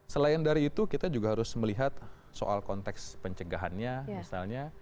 selain dari itu kita juga harus melihat soal konteks pencegahannya misalnya